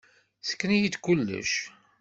Ssken-iyi-d kullec.